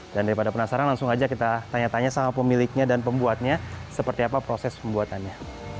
dan daripada penasaran langsung saja kita tanya tanya sama pemiliknya dan pembuatnya seperti apa proses pembuatannya